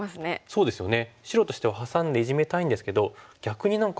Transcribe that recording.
そうですよね。